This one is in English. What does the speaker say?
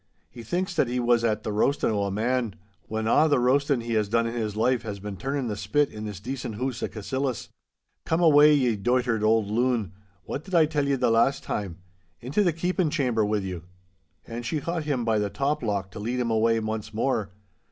He thinks that he was at the roastin' o' a man, whan a' the roastin' he has done in his life has been turnin' the spit in this decent hoose o' Cassillis. Come awa', ye doitered auld loon, what did I tell ye the last time?—Into the keepin' chamber wi' you!' And she caught him by the top lock to lead him away once more.